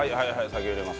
酒を入れます。